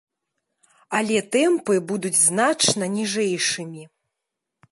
Але тэмпы будуць значна ніжэйшымі.